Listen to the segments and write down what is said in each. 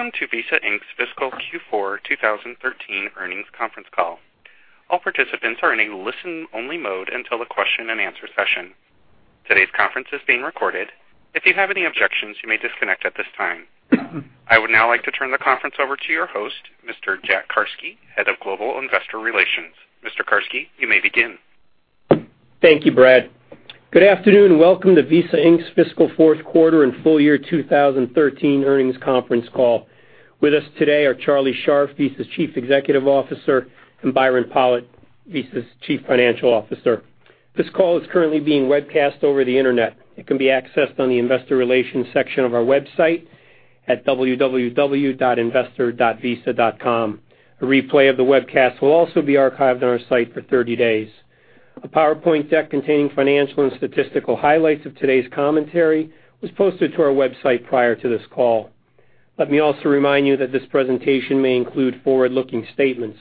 Welcome to Visa Inc's fiscal Q4 2013 earnings conference call. All participants are in a listen-only mode until the question and answer session. Today's conference is being recorded. If you have any objections, you may disconnect at this time. I would now like to turn the conference over to your host, Mr. Jack Carsky, Head of Global Investor Relations. Mr. Carsky, you may begin. Thank you, Brad. Good afternoon. Welcome to Visa Inc's fiscal fourth quarter and full year 2013 earnings conference call. With us today are Charlie Scharf, Visa's Chief Executive Officer, and Byron Pollitt, Visa's Chief Financial Officer. This call is currently being webcast over the internet. It can be accessed on the investor relations section of our website at www.investor.visa.com. A replay of the webcast will also be archived on our site for 30 days. A PowerPoint deck containing financial and statistical highlights of today's commentary was posted to our website prior to this call. Let me also remind you that this presentation may include forward-looking statements.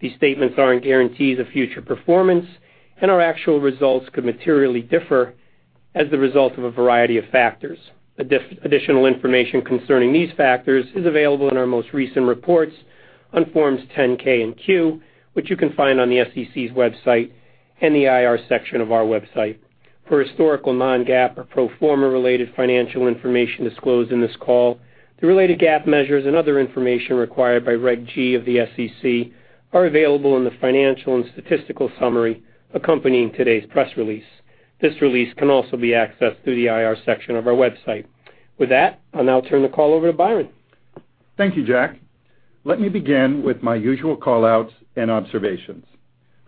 These statements aren't guarantees of future performance. Our actual results could materially differ as the result of a variety of factors. Additional information concerning these factors is available in our most recent reports on forms 10-K and Q, which you can find on the SEC's website and the IR section of our website. For historical non-GAAP or pro forma related financial information disclosed in this call, the related GAAP measures and other information required by Regulation G of the SEC are available in the financial and statistical summary accompanying today's press release. This release can also be accessed through the IR section of our website. With that, I'll now turn the call over to Byron. Thank you, Jack. Let me begin with my usual call-outs and observations.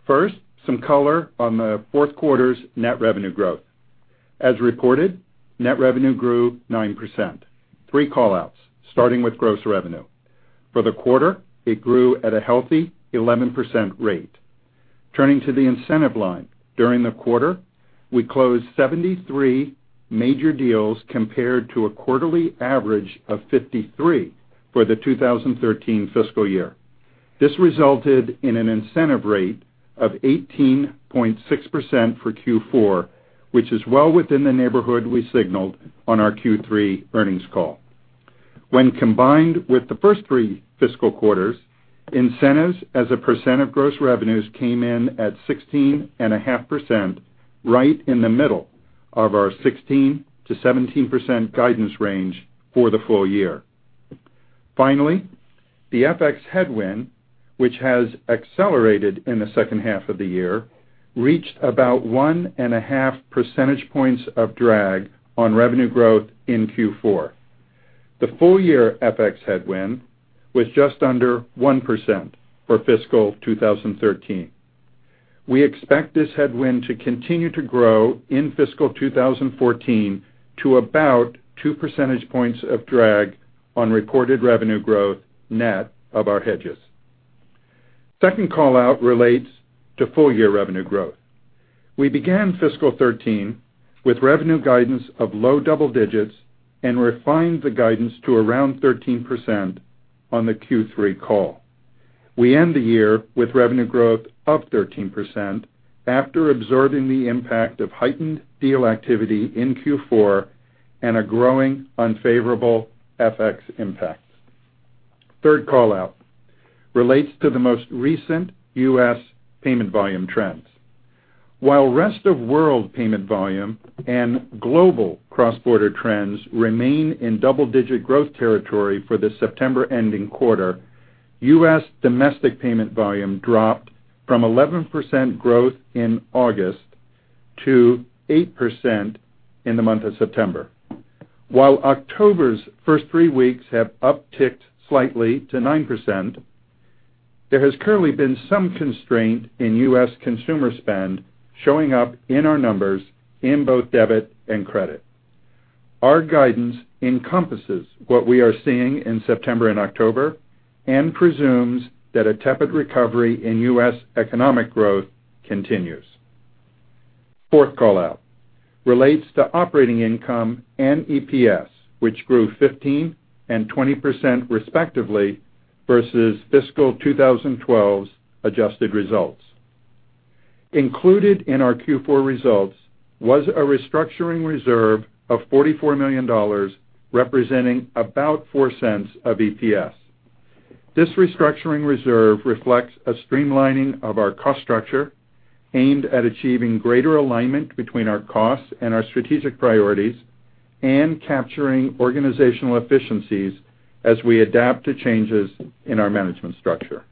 First, some color on the fourth quarter's net revenue growth. As reported, net revenue grew 9%. Three call-outs, starting with gross revenue. For the quarter, it grew at a healthy 11% rate. Turning to the incentive line, during the quarter, we closed 73 major deals compared to a quarterly average of 53 for the 2013 fiscal year. This resulted in an incentive rate of 18.6% for Q4, which is well within the neighborhood we signaled on our Q3 earnings call. When combined with the first three fiscal quarters, incentives as a percent of gross revenues came in at 16.5%, right in the middle of our 16%-17% guidance range for the full year. Finally, the FX headwind, which has accelerated in the second half of the year, reached about 1.5 percentage points of drag on revenue growth in Q4. The full-year FX headwind was just under 1% for fiscal 2013. We expect this headwind to continue to grow in fiscal 2014 to about two percentage points of drag on reported revenue growth net of our hedges. Second call-out relates to full-year revenue growth. We began fiscal 2013 with revenue guidance of low double digits and refined the guidance to around 13% on the Q3 call. We end the year with revenue growth of 13% after absorbing the impact of heightened deal activity in Q4 and a growing unfavorable FX impact. Third call-out relates to the most recent U.S. payment volume trends. While rest of world payment volume and global cross-border trends remain in double-digit growth territory for the September-ending quarter, U.S. domestic payment volume dropped from 11% growth in August to 8% in the month of September. While October's first three weeks have upticked slightly to 9%, there has currently been some constraint in U.S. consumer spend showing up in our numbers in both debit and credit. Our guidance encompasses what we are seeing in September and October and presumes that a tepid recovery in U.S. economic growth continues. Fourth call-out relates to operating income and EPS, which grew 15% and 20% respectively versus fiscal 2012's adjusted results. Included in our Q4 results was a restructuring reserve of $44 million, representing about $0.04 of EPS. This restructuring reserve reflects a streamlining of our cost structure aimed at achieving greater alignment between our costs and our strategic priorities and capturing organizational efficiencies as we adapt to changes in our management structure.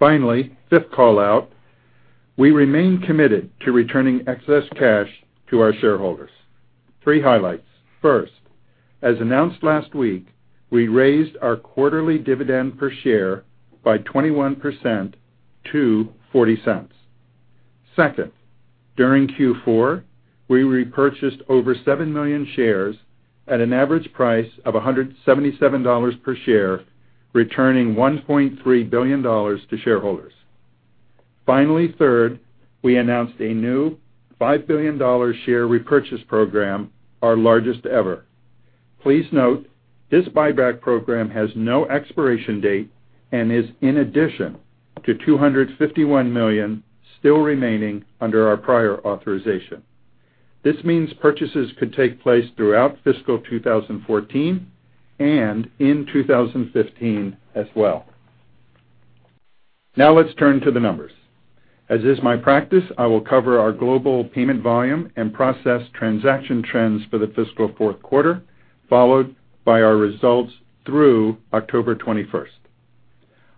Finally, fifth call-out, we remain committed to returning excess cash to our shareholders. Three highlights. First, as announced last week, we raised our quarterly dividend per share by 21% to $0.40. Second, during Q4, we repurchased over seven million shares at an average price of $177 per share, returning $1.3 billion to shareholders. Finally, third, we announced a new $5 billion share repurchase program, our largest ever. Please note this buyback program has no expiration date and is in addition to $251 million still remaining under our prior authorization. This means purchases could take place throughout fiscal 2014 and in 2015 as well. Now let's turn to the numbers. As is my practice, I will cover our global payment volume and process transaction trends for the fiscal fourth quarter, followed by our results through October 21st.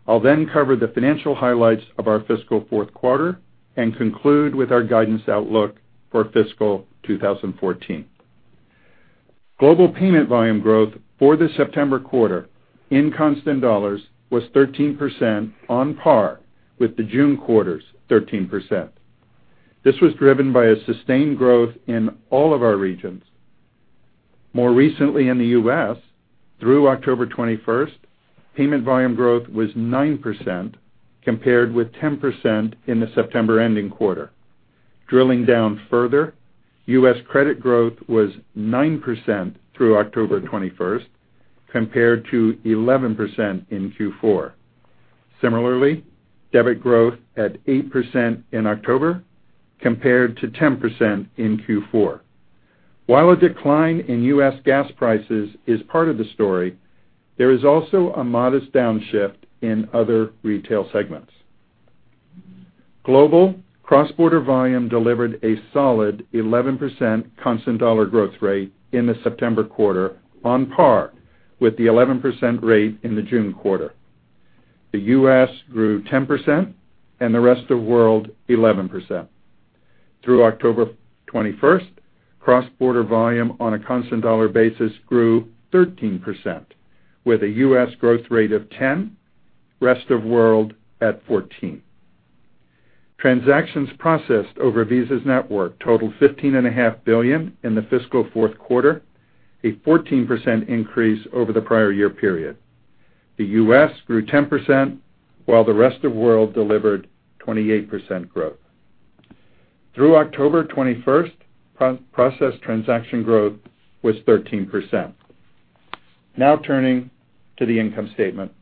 I'll then cover the financial highlights of our fiscal fourth quarter and conclude with our guidance outlook for fiscal 2014. Global payment volume growth for the September quarter in constant dollars was 13%, on par with the June quarter's 13%. This was driven by a sustained growth in all of our regions. More recently in the U.S., through October 21st, payment volume growth was 9%, compared with 10% in the September-ending quarter. Drilling down further, U.S. credit growth was 9% through October 21st, compared to 11% in Q4. Similarly, debit growth at 8% in October, compared to 10% in Q4. While a decline in U.S. gas prices is part of the story, there is also a modest downshift in other retail segments. Global cross-border volume delivered a solid 11% constant dollar growth rate in the September quarter, on par with the 11% rate in the June quarter. The U.S. grew 10% and the rest of world 11%. Through October 21st, cross-border volume on a constant dollar basis grew 13%, with a U.S. growth rate of 10%, rest of world at 14%. Transactions processed over Visa's network totaled 15.5 billion in the fiscal fourth quarter, a 14% increase over the prior year period. The U.S. grew 10%, while the rest of world delivered 28% growth. Through October 21st, processed transaction growth was 13%. Turning to the income statement.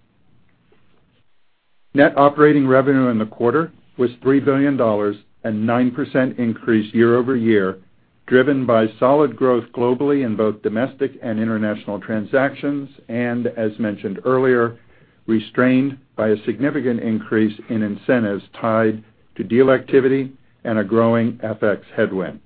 Net operating revenue in the quarter was $3 billion, a 9% increase year-over-year, driven by solid growth globally in both domestic and international transactions, and as mentioned earlier, restrained by a significant increase in incentives tied to deal activity and a growing FX headwind.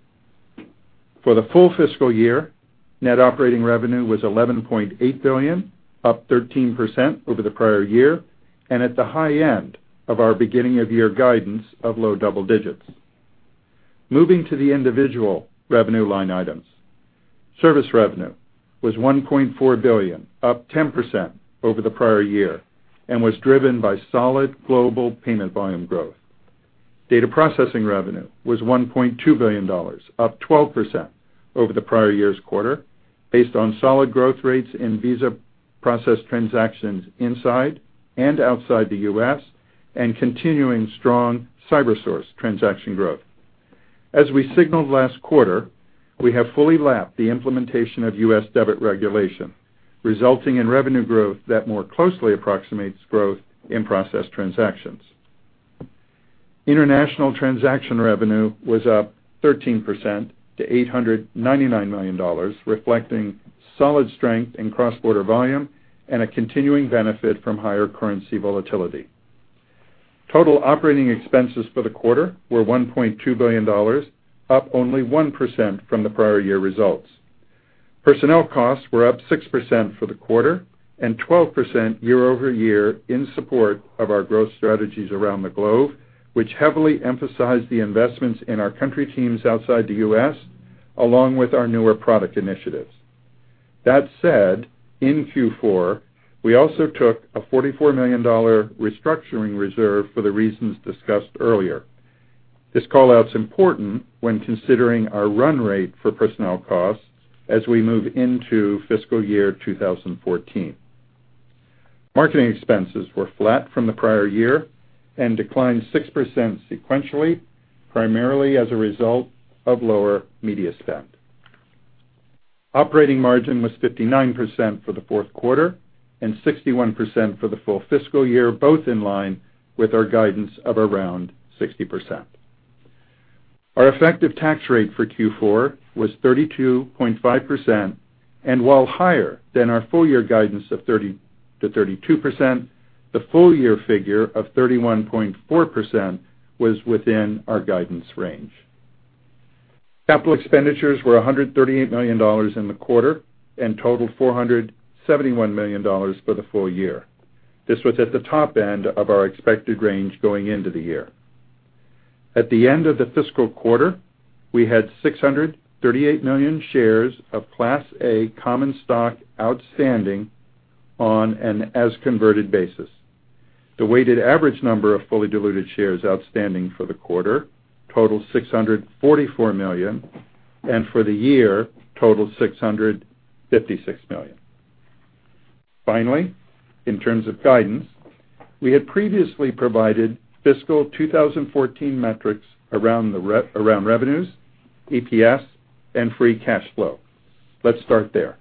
For the full fiscal year, net operating revenue was $11.8 billion, up 13% over the prior year, and at the high end of our beginning of year guidance of low double digits. Moving to the individual revenue line items. Service revenue was $1.4 billion, up 10% over the prior year, and was driven by solid global payment volume growth. Data processing revenue was $1.2 billion, up 12% over the prior year's quarter, based on solid growth rates in Visa processed transactions inside and outside the U.S. and continuing strong CyberSource transaction growth. As we signaled last quarter, we have fully lapped the implementation of U.S. debit regulation, resulting in revenue growth that more closely approximates growth in processed transactions. International transaction revenue was up 13% to $899 million, reflecting solid strength in cross-border volume and a continuing benefit from higher currency volatility. Total operating expenses for the quarter were $1.2 billion, up only 1% from the prior year results. Personnel costs were up 6% for the quarter and 12% year-over-year in support of our growth strategies around the globe, which heavily emphasized the investments in our country teams outside the U.S., along with our newer product initiatives. That said, in Q4, we also took a $44 million restructuring reserve for the reasons discussed earlier. This call-out's important when considering our run rate for personnel costs as we move into fiscal year 2014. Marketing expenses were flat from the prior year and declined 6% sequentially, primarily as a result of lower media spend. Operating margin was 59% for the fourth quarter and 61% for the full fiscal year, both in line with our guidance of around 60%. Our effective tax rate for Q4 was 32.5%, and while higher than our full year guidance of 30%-32%, the full year figure of 31.4% was within our guidance range. Capital expenditures were $138 million in the quarter and totaled $471 million for the full year. This was at the top end of our expected range going into the year. At the end of the fiscal quarter, we had 638 million shares of Class A common stock outstanding on an as-converted basis. The weighted average number of fully diluted shares outstanding for the quarter totaled 644 million, and for the year totaled 656 million. Finally, in terms of guidance, we had previously provided fiscal 2014 metrics around revenues, EPS, and free cash flow. Let's start there.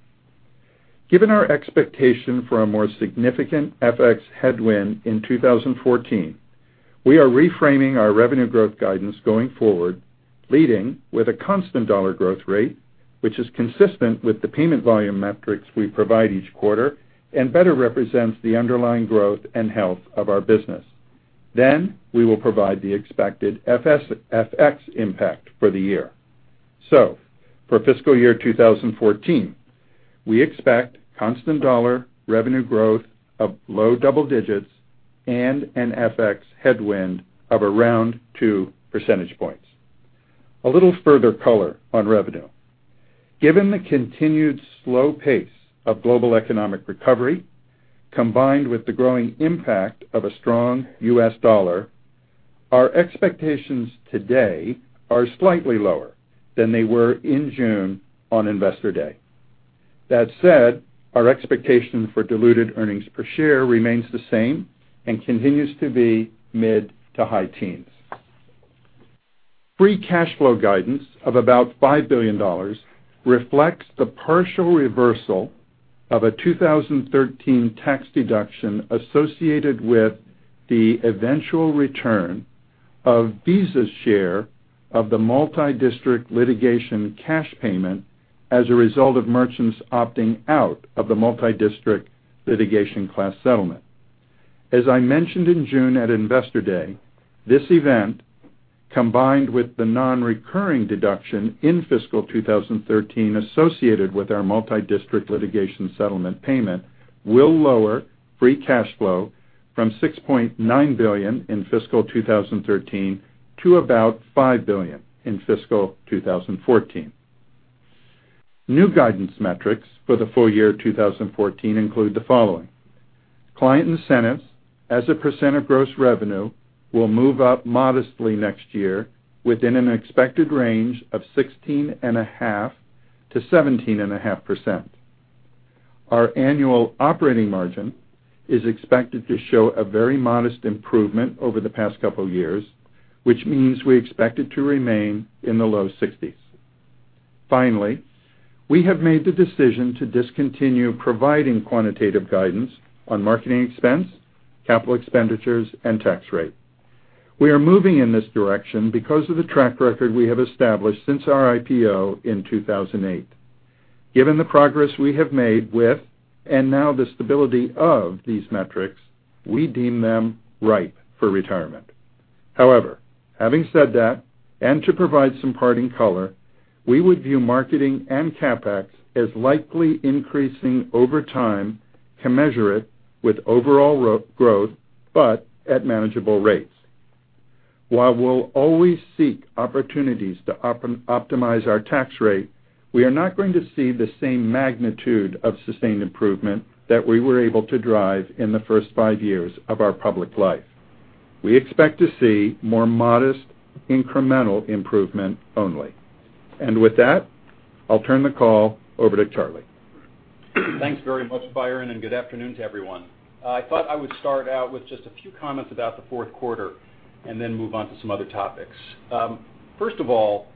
Given our expectation for a more significant FX headwind in 2014, we are reframing our revenue growth guidance going forward, leading with a constant dollar growth rate, which is consistent with the payment volume metrics we provide each quarter and better represents the underlying growth and health of our business. We will provide the expected FX impact for the year. For fiscal year 2014, we expect constant dollar revenue growth of low double digits and an FX headwind of around two percentage points. A little further color on revenue. Given the continued slow pace of global economic recovery, combined with the growing impact of a strong U.S. dollar, our expectations today are slightly lower than they were in June on Investor Day. That said, our expectation for diluted earnings per share remains the same and continues to be mid to high teens. Free cash flow guidance of about $5 billion reflects the partial reversal of a 2013 tax deduction associated with the eventual return of Visa's share of the multidistrict litigation cash payment as a result of merchants opting out of the multidistrict litigation class settlement. As I mentioned in June at Investor Day, this event, combined with the non-recurring deduction in fiscal 2013 associated with our multidistrict litigation settlement payment, will lower free cash flow from $6.9 billion in fiscal 2013 to about $5 billion in fiscal 2014. New guidance metrics for the full year 2014 include the following. Client incentives as a % of gross revenue will move up modestly next year within an expected range of 16.5%-17.5%. Our annual operating margin is expected to show a very modest improvement over the past couple of years, which means we expect it to remain in the low 60s. We have made the decision to discontinue providing quantitative guidance on marketing expense, capital expenditures, and tax rate. We are moving in this direction because of the track record we have established since our IPO in 2008. Given the progress we have made with, and now the stability of these metrics, we deem them ripe for retirement. Having said that, and to provide some parting color, we would view marketing and CapEx as likely increasing over time, commensurate with overall growth, but at manageable rates. While we'll always seek opportunities to optimize our tax rate, we are not going to see the same magnitude of sustained improvement that we were able to drive in the first five years of our public life. We expect to see more modest incremental improvement only. With that, I'll turn the call over to Charlie. Thanks very much, Byron, and good afternoon to everyone. I thought I would start out with just a few comments about the fourth quarter and then move on to some other topics. First of all,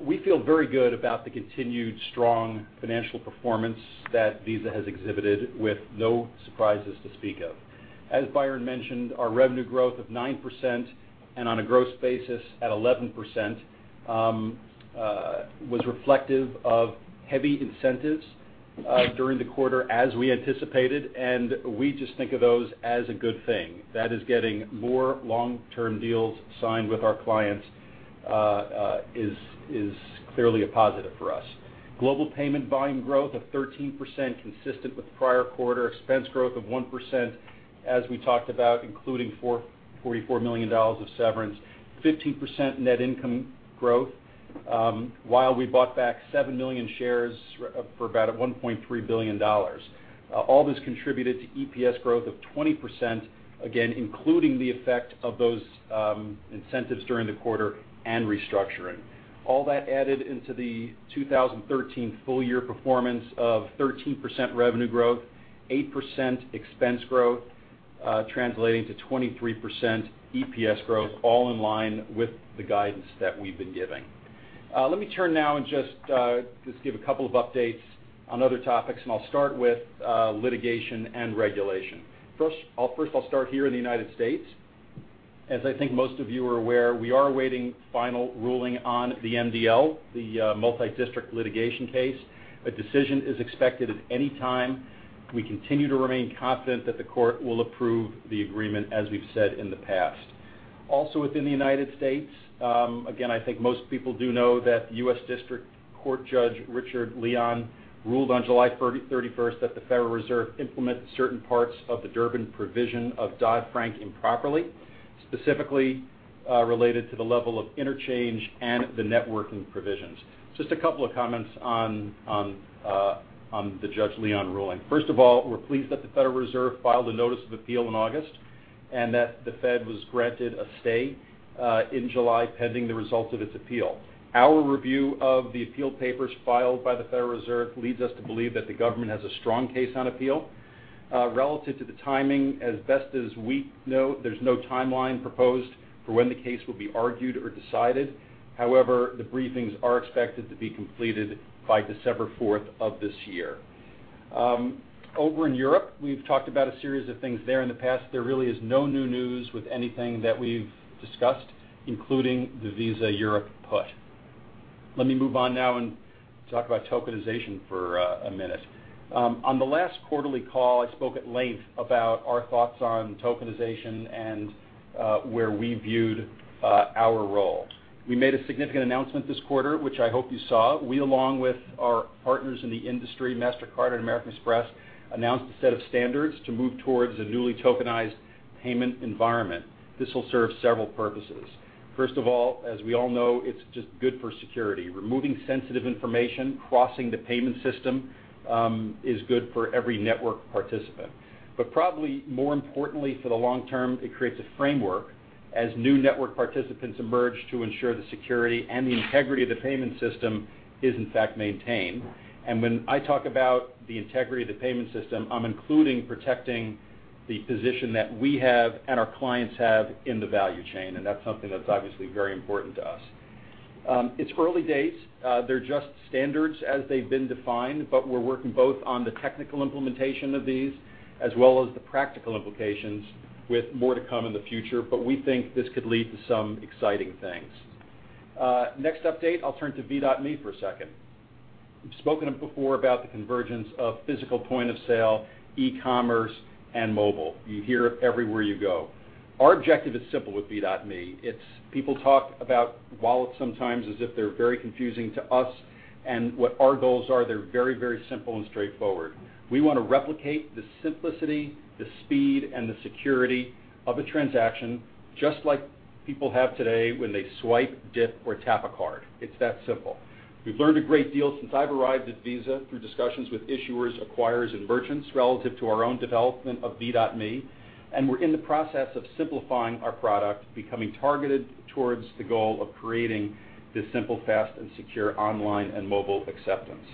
we feel very good about the continued strong financial performance that Visa has exhibited with no surprises to speak of. As Byron mentioned, our revenue growth of 9% and on a gross basis at 11%, was reflective of heavy incentives during the quarter as we anticipated, and we just think of those as a good thing. That is getting more long-term deals signed with our clients is clearly a positive for us. Global payment volume growth of 13%, consistent with prior quarter expense growth of 1%, as we talked about, including $44 million of severance, 15% net income growth, while we bought back 7 million shares for about $1.3 billion. All this contributed to EPS growth of 20%, again, including the effect of those incentives during the quarter and restructuring. All that added into the 2013 full-year performance of 13% revenue growth, 8% expense growth, translating to 23% EPS growth, all in line with the guidance that we've been giving. Let me turn now and just give a couple of updates on other topics. I'll start with litigation and regulation. First, I'll start here in the United States. As I think most of you are aware, we are awaiting final ruling on the MDL, the multidistrict litigation case. A decision is expected at any time. We continue to remain confident that the court will approve the agreement, as we've said in the past. Also within the United States, again, I think most people do know that U.S. District Court Judge Richard Leon ruled on July 31st that the Federal Reserve implemented certain parts of the Durbin provision of Dodd-Frank improperly, specifically related to the level of interchange and the networking provisions. Just a couple of comments on the Judge Leon ruling. First of all, we're pleased that the Federal Reserve filed a notice of appeal in August and that the Fed was granted a stay in July pending the result of its appeal. Our review of the appeal papers filed by the Federal Reserve leads us to believe that the government has a strong case on appeal. Relative to the timing, as best as we know, there's no timeline proposed for when the case will be argued or decided. However, the briefings are expected to be completed by December 4th of this year. Over in Europe, we've talked about a series of things there in the past. There really is no new news with anything that we've discussed, including the Visa Europe put. Let me move on now and talk about tokenization for a minute. On the last quarterly call, I spoke at length about our thoughts on tokenization and where we viewed our role. We made a significant announcement this quarter, which I hope you saw. We, along with our partners in the industry, Mastercard and American Express, announced a set of standards to move towards a newly tokenized payment environment. This will serve several purposes. First of all, as we all know, it's just good for security. Removing sensitive information, crossing the payment system, is good for every network participant. Probably more importantly, for the long term, it creates a framework as new network participants emerge to ensure the security and the integrity of the payment system is in fact maintained. When I talk about the integrity of the payment system, I'm including protecting the position that we have and our clients have in the value chain, and that's something that's obviously very important to us. It's early days. They're just standards as they've been defined, but we're working both on the technical implementation of these as well as the practical implications, with more to come in the future. We think this could lead to some exciting things. Next update, I'll turn to V.me for a second. We've spoken before about the convergence of physical point-of-sale, e-commerce, and mobile. You hear it everywhere you go. Our objective is simple with V.me. People talk about wallets sometimes as if they're very confusing to us, and what our goals are, they're very simple and straightforward. We want to replicate the simplicity, the speed, and the security of a transaction, just like people have today when they swipe, dip, or tap a card. It's that simple. We've learned a great deal since I've arrived at Visa through discussions with issuers, acquirers, and merchants relative to our own development of V.me, and we're in the process of simplifying our product, becoming targeted towards the goal of creating this simple, fast, and secure online and mobile acceptance.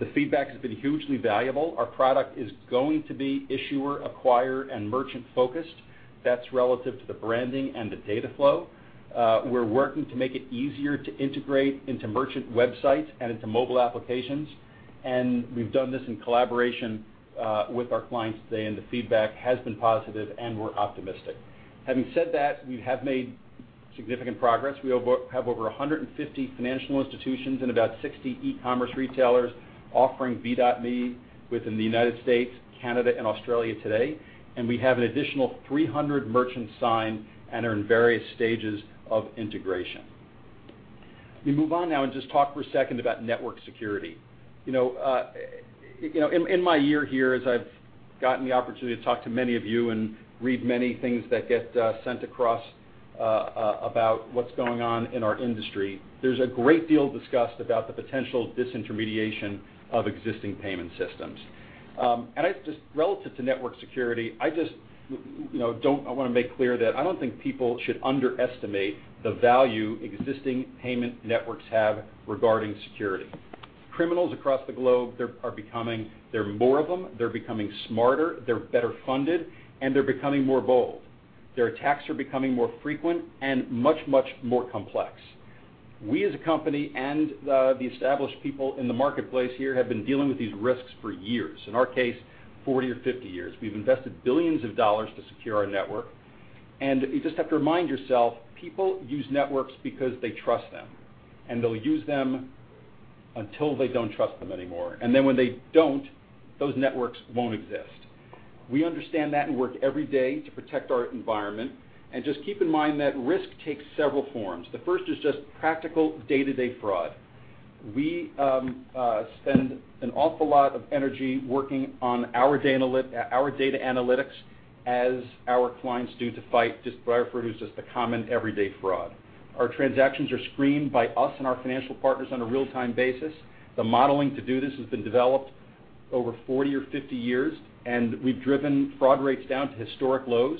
The feedback has been hugely valuable. Our product is going to be issuer, acquirer, and merchant-focused. That's relative to the branding and the data flow. We're working to make it easier to integrate into merchant websites and into mobile applications, and we've done this in collaboration with our clients today, and the feedback has been positive, and we're optimistic. Having said that, we have made significant progress. We have over 150 financial institutions and about 60 e-commerce retailers offering V.me within the United States, Canada, and Australia today. We have an additional 300 merchants signed and are in various stages of integration. Let me move on now and just talk for a second about network security. In my year here, as I've gotten the opportunity to talk to many of you and read many things that get sent across about what's going on in our industry, there's a great deal discussed about the potential disintermediation of existing payment systems. Relative to network security, I want to make clear that I don't think people should underestimate the value existing payment networks have regarding security. Criminals across the globe, there are more of them, they're becoming smarter, they're better funded, and they're becoming more bold. Their attacks are becoming more frequent and much more complex. We, as a company, and the established people in the marketplace here have been dealing with these risks for years, in our case, 40 or 50 years. We've invested billions of dollars to secure our network. You just have to remind yourself, people use networks because they trust them, and they'll use them until they don't trust them anymore. Then when they don't, those networks won't exist. We understand that and work every day to protect our environment. Just keep in mind that risk takes several forms. The first is just practical day-to-day fraud. We spend an awful lot of energy working on our data analytics as our clients do to fight just what I refer to as just the common everyday fraud. Our transactions are screened by us and our financial partners on a real-time basis. The modeling to do this has been developed over 40 or 50 years, and we've driven fraud rates down to historic lows,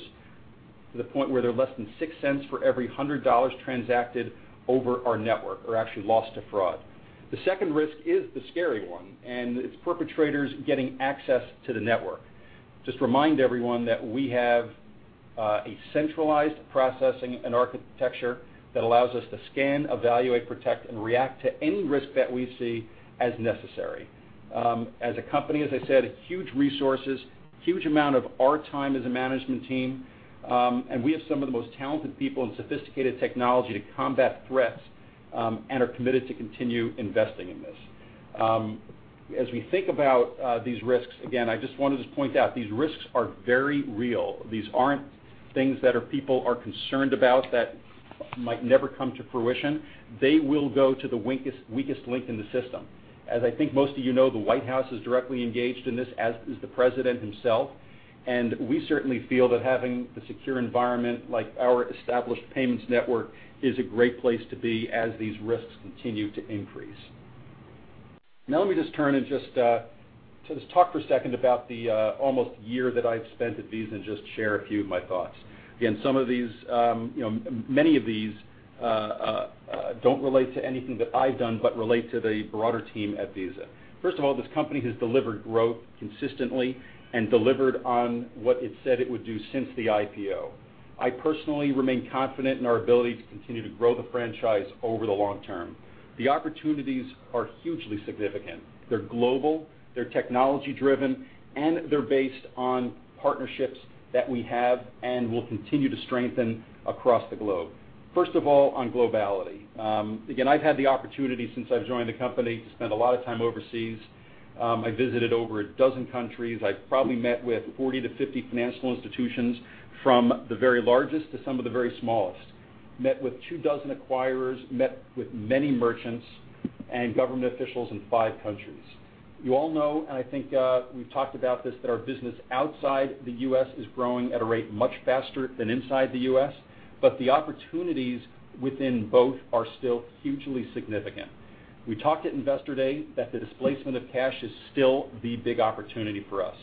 to the point where they're less than $0.06 for every $100 transacted over our network, or actually lost to fraud. The second risk is the scary one. It's perpetrators getting access to the network. Just remind everyone that we have a centralized processing and architecture that allows us to scan, evaluate, protect, and react to any risk that we see as necessary. As a company, as I said, huge resources, huge amount of our time as a management team. We have some of the most talented people and sophisticated technology to combat threats and are committed to continue investing in this. As we think about these risks, again, I just wanted to point out, these risks are very real. These aren't things that our people are concerned about that might never come to fruition. They will go to the weakest link in the system. As I think most of you know, the White House is directly engaged in this, as is the President himself. We certainly feel that having the secure environment, like our established payments network, is a great place to be as these risks continue to increase. Now let me just turn and just talk for a second about the almost year that I've spent at Visa and just share a few of my thoughts. Again, many of these Don't relate to anything that I've done, but relate to the broader team at Visa. First of all, this company has delivered growth consistently and delivered on what it said it would do since the IPO. I personally remain confident in our ability to continue to grow the franchise over the long term. The opportunities are hugely significant. They're global, they're technology-driven, and they're based on partnerships that we have and will continue to strengthen across the globe. First of all, on globality. Again, I've had the opportunity since I've joined the company to spend a lot of time overseas. I visited over a dozen countries. I've probably met with 40 to 50 financial institutions, from the very largest to some of the very smallest. Met with two dozen acquirers, met with many merchants and government officials in five countries. You all know. I think we've talked about this, that our business outside the U.S. is growing at a rate much faster than inside the U.S. The opportunities within both are still hugely significant. We talked at Investor Day that the displacement of cash is still the big opportunity for us.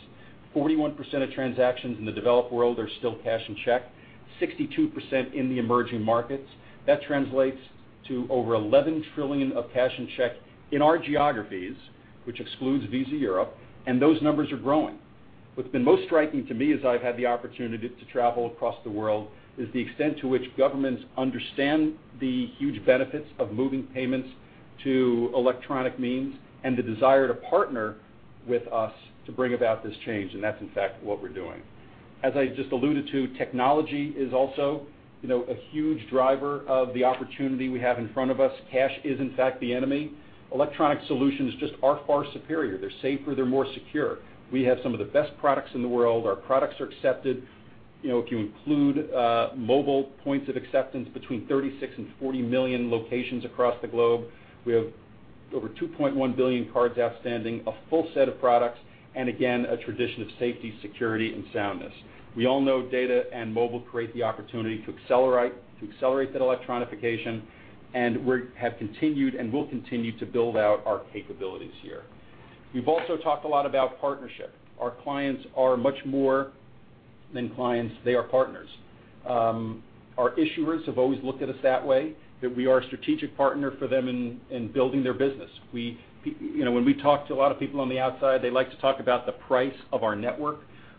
41% of transactions in the developed world are still cash and check, 62% in the emerging markets. That translates to over $11 trillion of cash and check in our geographies, which excludes Visa Europe. Those numbers are growing. What's been most striking to me as I've had the opportunity to travel across the world is the extent to which governments understand the huge benefits of moving payments to electronic means, and the desire to partner with us to bring about this change, and that's in fact what we're doing. As I just alluded to, technology is also a huge driver of the opportunity we have in front of us. Cash is, in fact, the enemy. Electronic solutions just are far superior. They're safer, they're more secure. We have some of the best products in the world. Our products are accepted. If you include mobile points of acceptance between 36 and 40 million locations across the globe, we have over 2.1 billion cards outstanding, a full set of products, and again, a tradition of safety, security, and soundness. We all know data and mobile create the opportunity to accelerate that electronification, and we have continued and will continue to build out our capabilities here. We've also talked a lot about partnership. Our clients are much more than clients, they are partners. Our issuers have always looked at us that way, that we are a strategic partner for them in building their business. When we talk to a lot of people on the outside, they like to talk about the price of our network.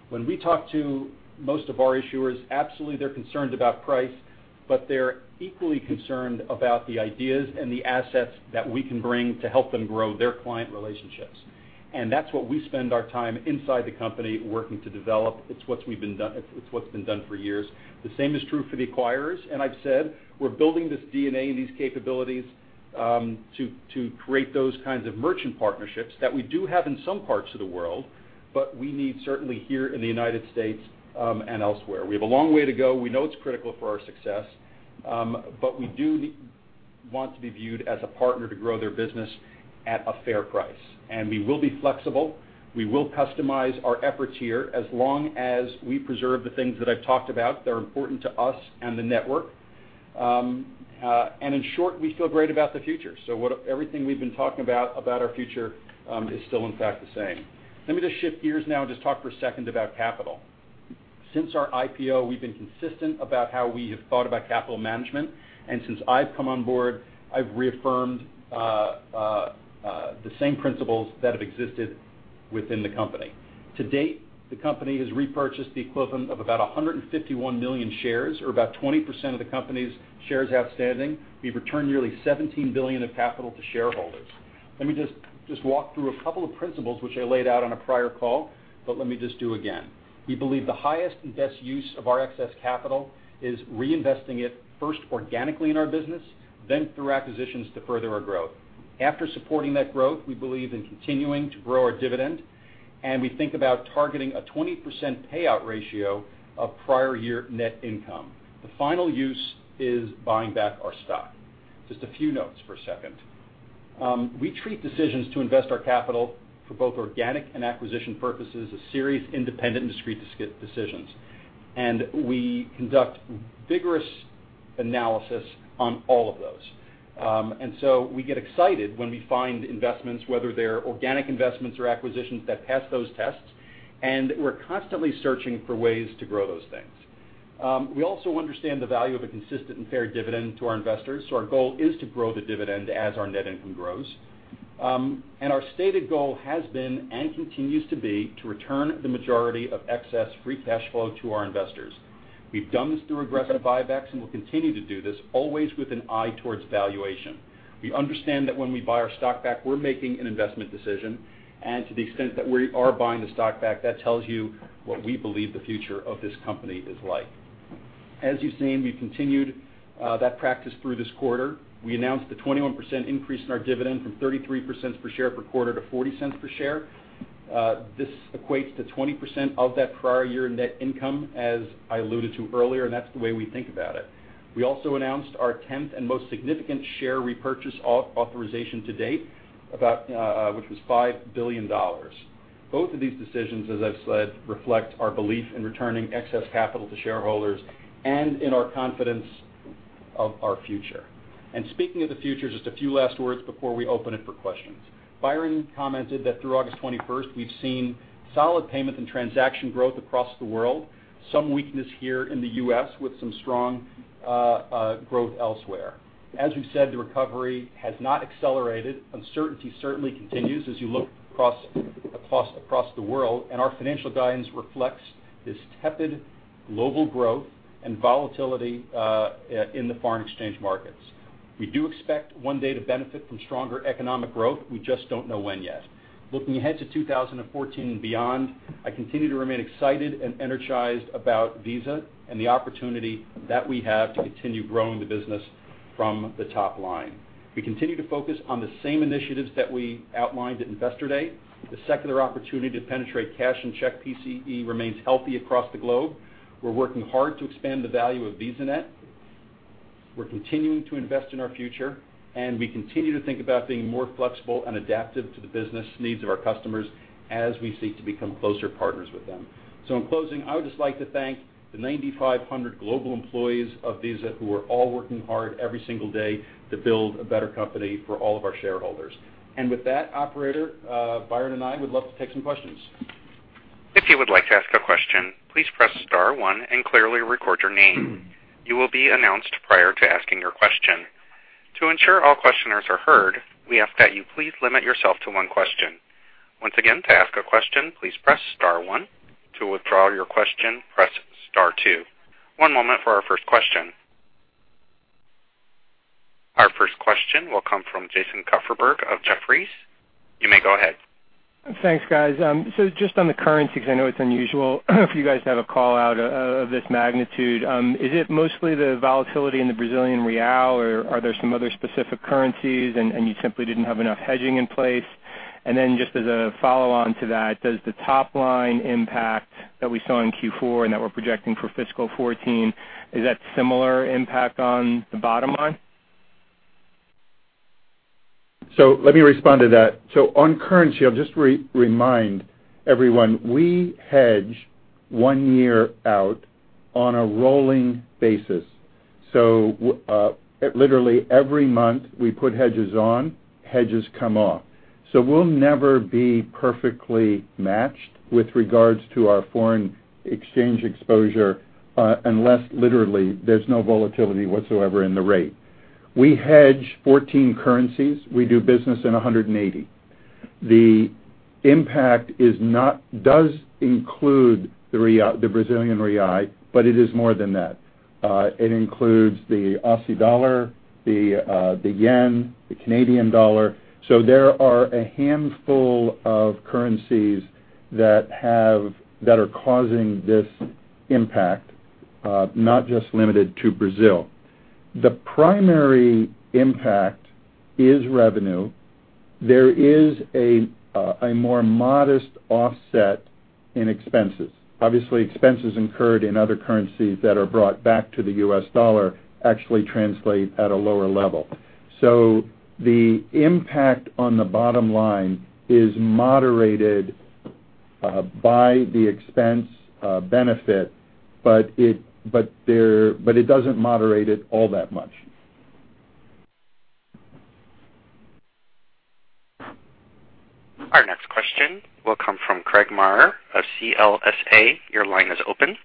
When we talk to most of our issuers, absolutely they're concerned about price, but they're equally concerned about the ideas and the assets that we can bring to help them grow their client relationships. That's what we spend our time inside the company working to develop. It's what's been done for years. The same is true for the acquirers, and I've said, we're building this DNA and these capabilities to create those kinds of merchant partnerships that we do have in some parts of the world, but we need certainly here in the U.S., and elsewhere. We have a long way to go. We know it's critical for our success. We do want to be viewed as a partner to grow their business at a fair price. We will be flexible, we will customize our efforts here as long as we preserve the things that I've talked about that are important to us and the network. In short, we feel great about the future. Everything we've been talking about our future is still in fact the same. Let me just shift gears now and just talk for a second about capital. Since our IPO, we've been consistent about how we have thought about capital management, and since I've come on board, I've reaffirmed the same principles that have existed within the company. To date, the company has repurchased the equivalent of about 151 million shares, or about 20% of the company's shares outstanding. We've returned nearly $17 billion of capital to shareholders. Let me just walk through a couple of principles which I laid out on a prior call, but let me just do again. We believe the highest and best use of our excess capital is reinvesting it first organically in our business, then through acquisitions to further our growth. After supporting that growth, we believe in continuing to grow our dividend, and we think about targeting a 20% payout ratio of prior year net income. The final use is buying back our stock. Just a few notes for a second. We treat decisions to invest our capital for both organic and acquisition purposes as serious, independent, and discreet decisions. We conduct vigorous analysis on all of those. We get excited when we find investments, whether they're organic investments or acquisitions that pass those tests, and we're constantly searching for ways to grow those things. We also understand the value of a consistent and fair dividend to our investors, so our goal is to grow the dividend as our net income grows. Our stated goal has been and continues to be to return the majority of excess free cash flow to our investors. We've done this through aggressive buybacks, and we'll continue to do this, always with an eye towards valuation. We understand that when we buy our stock back, we're making an investment decision, and to the extent that we are buying the stock back, that tells you what we believe the future of this company is like. As you've seen, we've continued that practice through this quarter. We announced a 21% increase in our dividend from $0.33 per share per quarter to $0.40 per share. This equates to 20% of that prior year net income, as I alluded to earlier, and that's the way we think about it. We also announced our 10th and most significant share repurchase authorization to date, which was $5 billion. Both of these decisions, as I've said, reflect our belief in returning excess capital to shareholders and in our confidence of our future. Speaking of the future, just a few last words before we open it for questions. Byron commented that through October 21st, we've seen solid payment and transaction growth across the world, some weakness here in the U.S. with some strong growth elsewhere. As we've said, the recovery has not accelerated. Uncertainty certainly continues as you look across the world. Our financial guidance reflects this tepid global growth and volatility in the foreign exchange markets. We do expect one day to benefit from stronger economic growth. We just don't know when yet. Looking ahead to 2014 and beyond, I continue to remain excited and energized about Visa and the opportunity that we have to continue growing the business from the top line. We continue to focus on the same initiatives that we outlined at Investor Day. The secular opportunity to penetrate cash and check PCE remains healthy across the globe. We're working hard to expand the value of VisaNet. We're continuing to invest in our future. We continue to think about being more flexible and adaptive to the business needs of our customers as we seek to become closer partners with them. In closing, I would just like to thank the 9,500 global employees of Visa who are all working hard every single day to build a better company for all of our shareholders. With that, operator, Byron and I would love to take some questions. If you would like to ask a question, please press *1 and clearly record your name. You will be announced prior to asking your question. To ensure all questioners are heard, we ask that you please limit yourself to one question. Once again, to ask a question, please press *1. To withdraw your question, press *2. One moment for our first question. Our first question will come from Jason Kupferberg of Jefferies. You may go ahead. Thanks, guys. Just on the currencies, because I know it's unusual if you guys have a call-out of this magnitude. Is it mostly the volatility in the Brazilian real, or are there some other specific currencies and you simply didn't have enough hedging in place? And then just as a follow-on to that, does the top-line impact that we saw in Q4 and that we're projecting for fiscal 2014, is that similar impact on the bottom line? Let me respond to that. On currency, I'll just remind everyone, we hedge 1 year out on a rolling basis. Literally every month, we put hedges on, hedges come off. We'll never be perfectly matched with regards to our foreign exchange exposure, unless literally there's no volatility whatsoever in the rate. We hedge 14 currencies. We do business in 180. The impact does include the Brazilian real, but it is more than that. It includes the Aussie dollar, the yen, the Canadian dollar. There are a handful of currencies that are causing this impact, not just limited to Brazil. The primary impact is revenue. There is a more modest offset in expenses. Obviously, expenses incurred in other currencies that are brought back to the US dollar actually translate at a lower level. The impact on the bottom line is moderated by the expense benefit, but it doesn't moderate it all that much. Our next question will come from Craig Maurer of CLSA. Your line is open.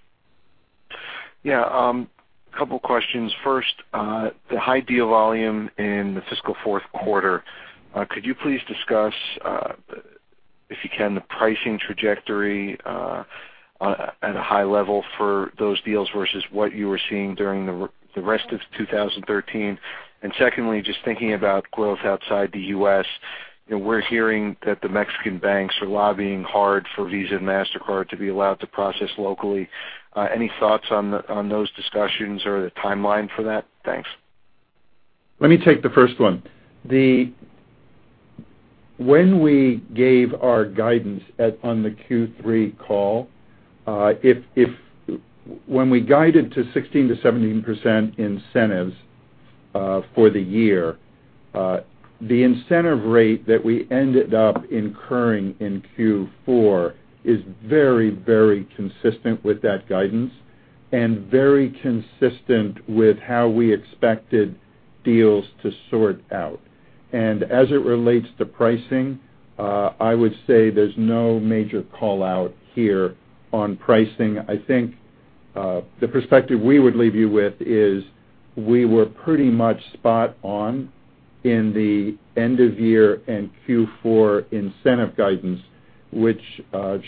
Yeah, couple of questions. First, the high deal volume in the fiscal fourth quarter, could you please discuss if you can, the pricing trajectory at a high level for those deals versus what you were seeing during the rest of 2013? Secondly, just thinking about growth outside the U.S., we're hearing that the Mexican banks are lobbying hard for Visa and Mastercard to be allowed to process locally. Any thoughts on those discussions or the timeline for that? Thanks. Let me take the first one. When we gave our guidance on the Q3 call, when we guided to 16%-17% incentives for the year, the incentive rate that we ended up incurring in Q4 is very consistent with that guidance and very consistent with how we expected deals to sort out. As it relates to pricing, I would say there's no major call-out here on pricing. I think the perspective we would leave you with is we were pretty much spot on in the end of year and Q4 incentive guidance, which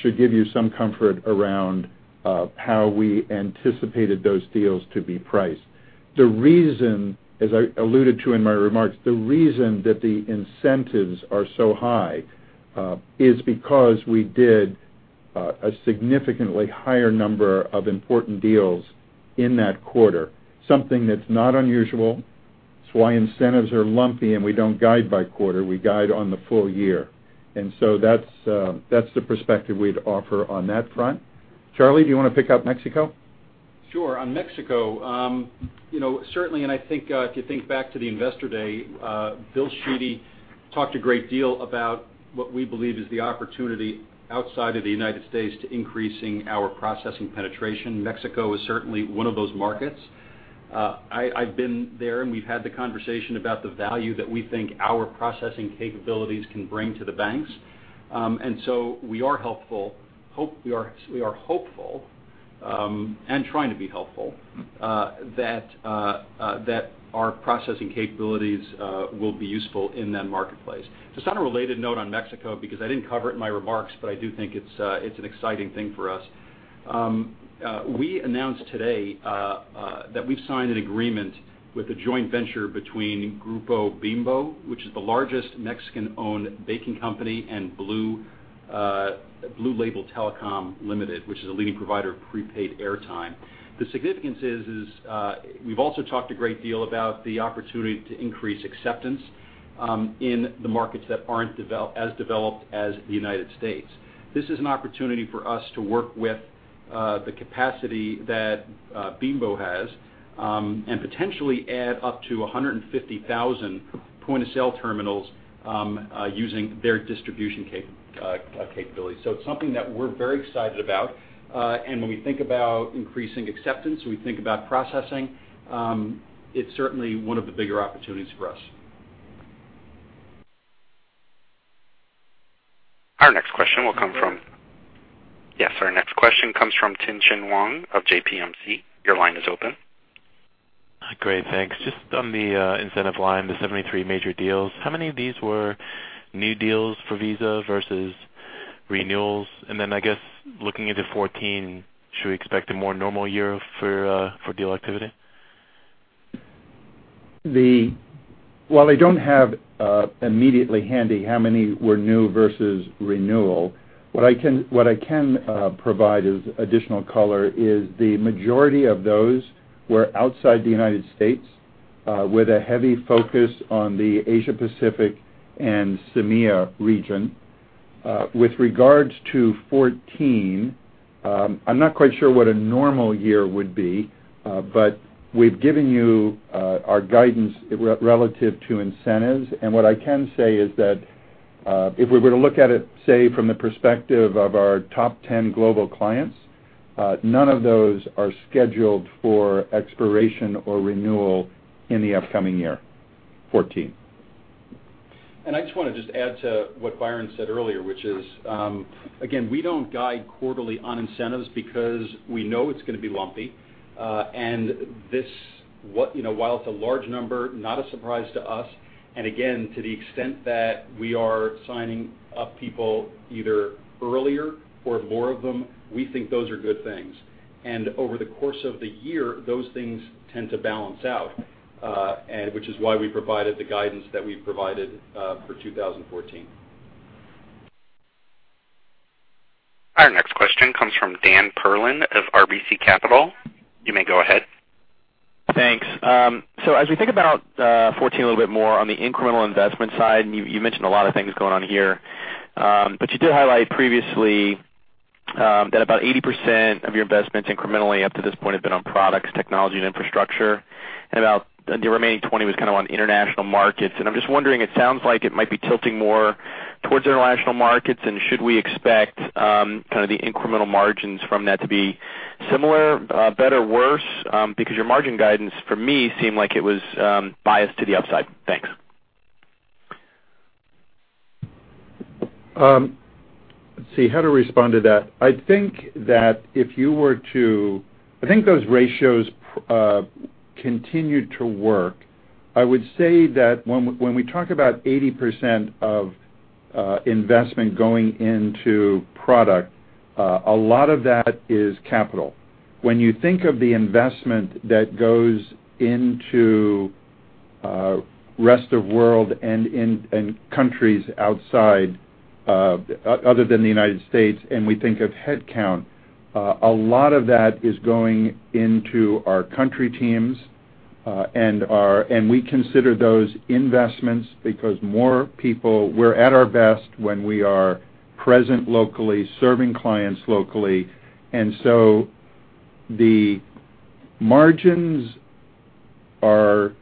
should give you some comfort around how we anticipated those deals to be priced. As I alluded to in my remarks, the reason that the incentives are so high is because we did a significantly higher number of important deals in that quarter, something that's not unusual. It's why incentives are lumpy. We don't guide by quarter. We guide on the full year. That's the perspective we'd offer on that front. Charlie, do you want to pick up Mexico? Sure. On Mexico, certainly, I think if you think back to the Investor Day, Bill Sheedy talked a great deal about what we believe is the opportunity outside of the U.S. to increasing our processing penetration. Mexico is certainly one of those markets. I've been there, we've had the conversation about the value that we think our processing capabilities can bring to the banks. So we are hopeful and trying to be helpful that our processing capabilities will be useful in that marketplace. Just on a related note on Mexico, because I didn't cover it in my remarks, I do think it's an exciting thing for us. We announced today that we've signed an agreement with a joint venture between Grupo Bimbo, which is the largest Mexican-owned baking company, and Blue Label Telecoms Limited, which is a leading provider of prepaid airtime. The significance is we've also talked a great deal about the opportunity to increase acceptance in the markets that aren't as developed as the U.S. This is an opportunity for us to work with the capacity that Bimbo has and potentially add up to 150,000 point-of-sale terminals using their distribution capabilities. So it's something that we're very excited about. When we think about increasing acceptance, we think about processing. It's certainly one of the bigger opportunities for us. Our next question comes from Tien-Tsin Huang of JPMC. Your line is open. Great. Thanks. Just on the incentive line, the 73 major deals, how many of these were new deals for Visa versus renewals? Then, I guess, looking into 2014, should we expect a more normal year for deal activity? While I don't have immediately handy how many were new versus renewal, what I can provide as additional color is the majority of those were outside the U.S., with a heavy focus on the Asia-Pacific and CEMEA region. With regards to 2014, I'm not quite sure what a normal year would be but we've given you our guidance relative to incentives. What I can say is that if we were to look at it, say, from the perspective of our top 10 global clients, none of those are scheduled for expiration or renewal in the upcoming year, 2014. I just want to add to what Byron said earlier, which is again, we don't guide quarterly on incentives because we know it's going to be lumpy. While it's a large number, not a surprise to us. Again, to the extent that we are signing up people either earlier or more of them, we think those are good things. Over the course of the year, those things tend to balance out, which is why we provided the guidance that we've provided for 2014. Our next question comes from Dan Perlin of RBC Capital. You may go ahead. Thanks. As we think about 2014 a little bit more on the incremental investment side, you mentioned a lot of things going on here. You did highlight previously that about 80% of your investments incrementally up to this point have been on products, technology, and infrastructure, and about the remaining 20% was on international markets. I'm just wondering, it sounds like it might be tilting more towards international markets. Should we expect the incremental margins from that to be similar, better, worse? Because your margin guidance for me seemed like it was biased to the upside. Thanks. Let's see how to respond to that. I think those ratios continued to work. I would say that when we talk about 80% of investment going into product, a lot of that is capital. When you think of the investment that goes into rest of world and countries other than the U.S., and we think of headcount, a lot of that is going into our country teams. We consider those investments because we're at our best when we are present locally, serving clients locally. The margins are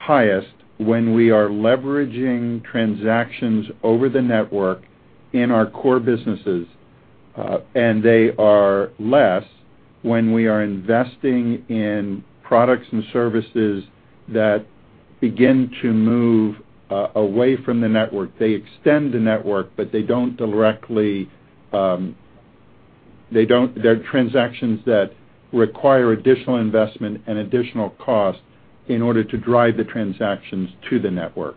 highest when we are leveraging transactions over the network in our core businesses. They are less when we are investing in products and services that begin to move away from the network. They extend the network, but they're transactions that require additional investment and additional cost in order to drive the transactions to the network.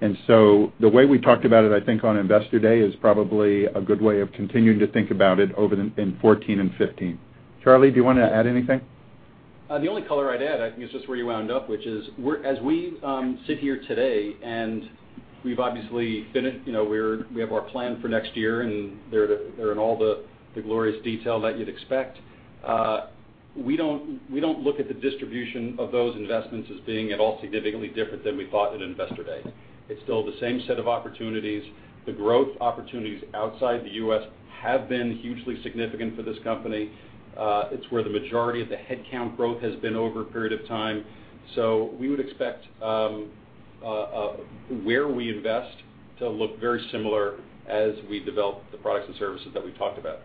The way we talked about it, I think, on Investor Day is probably a good way of continuing to think about it over in 2014 and 2015. Charlie, do you want to add anything? The only color I'd add, I think, is just where you wound up, which is as we sit here today, we have our plan for next year, they're in all the glorious detail that you'd expect. We don't look at the distribution of those investments as being at all significantly different than we thought at Investor Day. It's still the same set of opportunities. The growth opportunities outside the U.S. have been hugely significant for this company. It's where the majority of the headcount growth has been over a period of time. We would expect where we invest to look very similar as we develop the products and services that we talked about.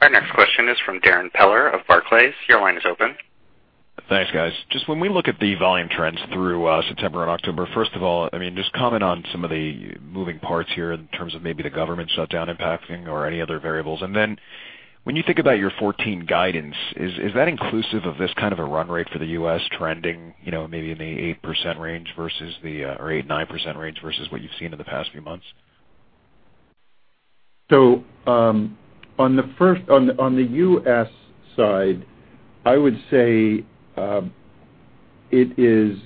Our next question is from Darrin Peller of Barclays. Your line is open. Thanks, guys. Just when we look at the volume trends through September and October, first of all, just comment on some of the moving parts here in terms of maybe the government shutdown impacting or any other variables. Then when you think about your 2014 guidance, is that inclusive of this kind of a run rate for the U.S. trending maybe in the 8% range or 9% range versus what you've seen in the past few months? On the U.S. side, I would say it is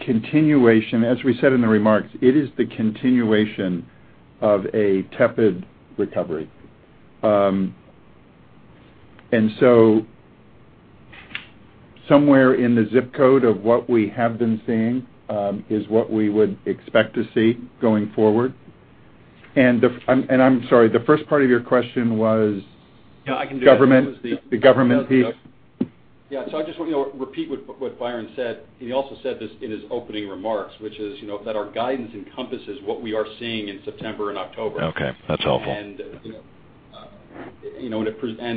continuation, as we said in the remarks, it is the continuation of a tepid recovery. Somewhere in the zip code of what we have been seeing, is what we would expect to see going forward. I'm sorry, the first part of your question was? No, I can do that. The government piece. Yeah. I just want to repeat what Byron said. He also said this in his opening remarks, which is that our guidance encompasses what we are seeing in September and October. Okay. That's helpful.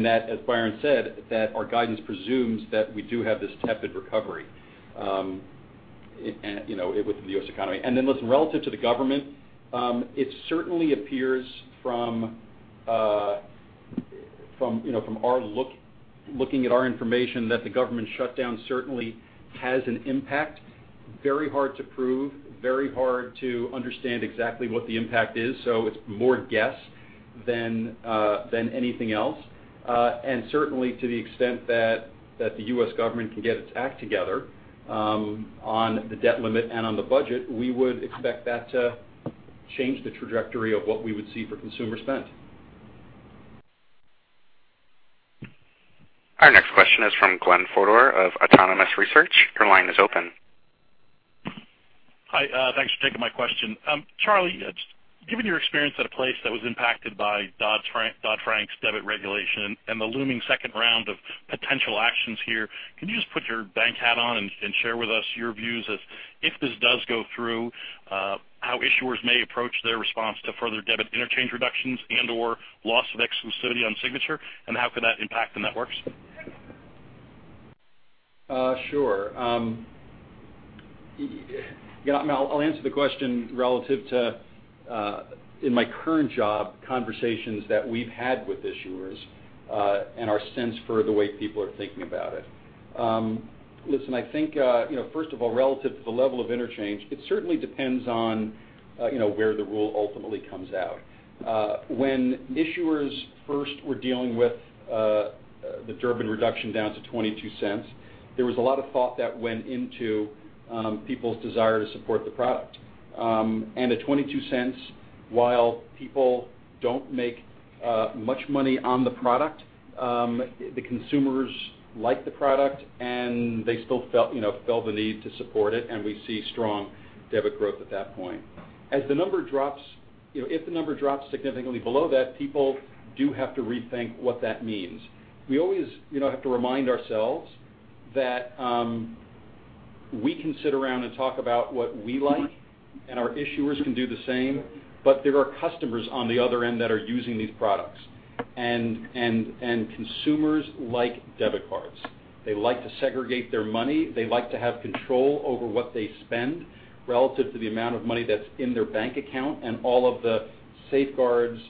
That, as Byron said, that our guidance presumes that we do have this tepid recovery within the U.S. economy. Listen, relative to the government, it certainly appears from looking at our information that the government shutdown certainly has an impact. Very hard to prove, very hard to understand exactly what the impact is, so it's more guess than anything else. Certainly to the extent that the U.S. government can get its act together on the debt limit and on the budget, we would expect that to change the trajectory of what we would see for consumer spend. Our next question is from Glenn Fodor of Autonomous Research. Your line is open. Hi. Thanks for taking my question. Charlie, given your experience at a place that was impacted by Dodd-Frank's debit regulation and the looming second round of potential actions here, can you just put your bank hat on and share with us your views as if this does go through how issuers may approach their response to further debit interchange reductions and/or loss of exclusivity on signature, and how could that impact the networks? Sure. I'll answer the question relative to in my current job conversations that we've had with issuers, and our sense for the way people are thinking about it. Listen, I think first of all, relative to the level of interchange, it certainly depends on where the rule ultimately comes out. When issuers first were dealing with the Durbin reduction down to $0.22, there was a lot of thought that went into people's desire to support the product. At $0.22, while people don't make much money on the product, the consumers like the product and they still felt the need to support it, and we see strong debit growth at that point. If the number drops significantly below that, people do have to rethink what that means. We always have to remind ourselves that we can sit around and talk about what we like, and our issuers can do the same, but there are customers on the other end that are using these products. Consumers like debit cards. They like to segregate their money. They like to have control over what they spend relative to the amount of money that's in their bank account and all of the safeguards,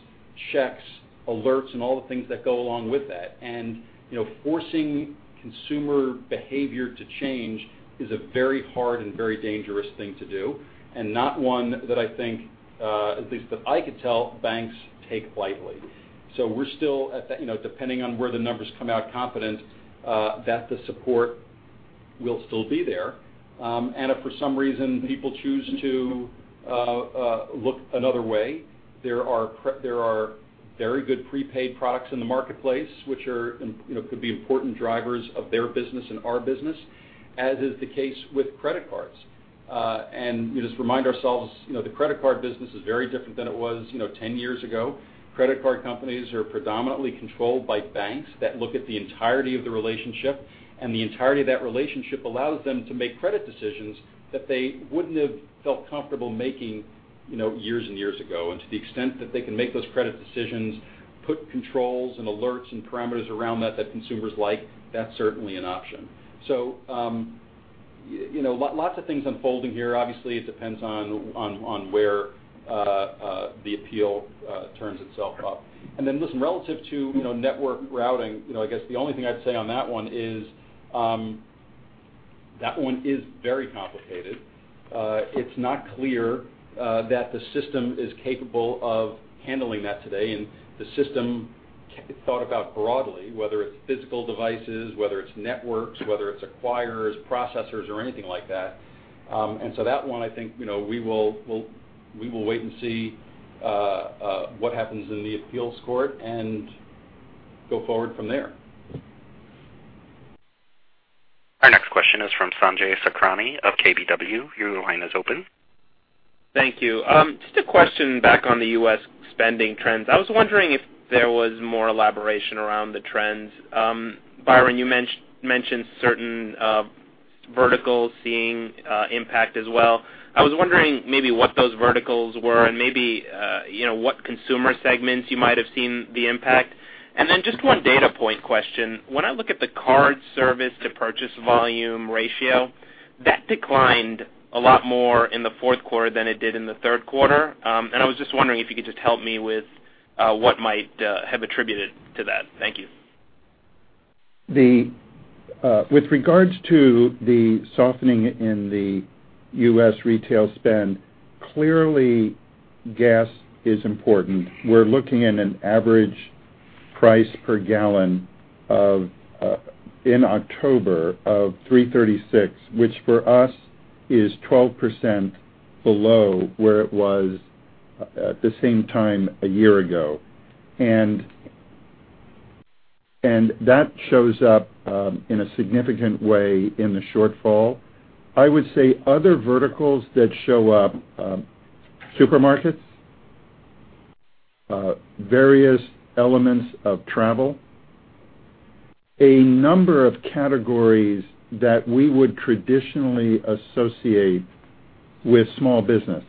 checks, alerts, and all the things that go along with that. Forcing consumer behavior to change is a very hard and very dangerous thing to do, and not one that I think, at least that I could tell banks take lightly. We're still, depending on where the numbers come out, confident that the support will still be there. If for some reason people choose to look another way, there are very good prepaid products in the marketplace, which could be important drivers of their business and our business, as is the case with credit cards. Just remind ourselves the credit card business is very different than it was 10 years ago. Credit card companies are predominantly controlled by banks that look at the entirety of the relationship, and the entirety of that relationship allows them to make credit decisions that they wouldn't have felt comfortable making years and years ago. To the extent that they can make those credit decisions, put controls and alerts and parameters around that consumers like, that's certainly an option. Lots of things unfolding here. Obviously, it depends on where the appeal turns itself up. Listen, relative to network routing, I guess the only thing I'd say on that one is that one is very complicated. It's not clear that the system is capable of handling that today. The system thought about broadly, whether it's physical devices, whether it's networks, whether it's acquirers, processors or anything like that. That one, I think we will wait and see what happens in the appeals court and go forward from there. Sanjay Sakhrani of KBW, your line is open. Thank you. Just a question back on the U.S. spending trends. I was wondering if there was more elaboration around the trends. Byron, you mentioned certain verticals seeing impact as well. I was wondering maybe what those verticals were and maybe what consumer segments you might have seen the impact. Just one data point question. When I look at the card service to purchase volume ratio, that declined a lot more in the fourth quarter than it did in the third quarter. I was just wondering if you could just help me with what might have attributed to that. Thank you. With regards to the softening in the U.S. retail spend, clearly gas is important. We're looking at an average price per gallon in October of $3.36, which for us is 12% below where it was at the same time a year ago. That shows up in a significant way in the shortfall. I would say other verticals that show up, supermarkets, various elements of travel, a number of categories that we would traditionally associate with small business.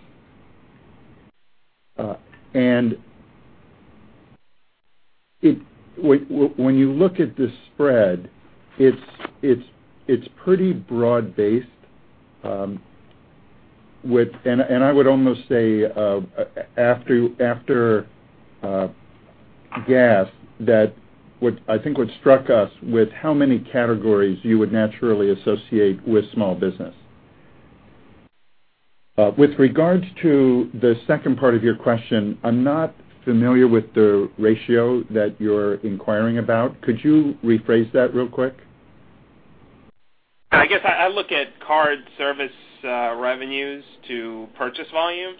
When you look at the spread, it's pretty broad-based. I would almost say after gas, that I think what struck us with how many categories you would naturally associate with small business. With regards to the second part of your question, I'm not familiar with the ratio that you're inquiring about. Could you rephrase that real quick? I guess I look at card service revenues to purchase volume,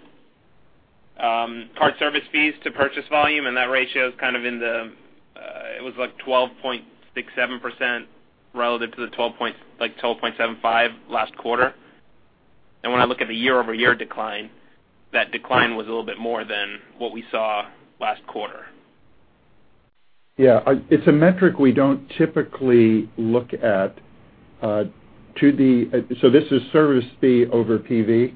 card service fees to purchase volume, and that ratio is kind of in the It was like 12.67% relative to the 12.75 last quarter. When I look at the year-over-year decline, that decline was a little bit more than what we saw last quarter. Yeah. It's a metric we don't typically look at. This is service fee over PV.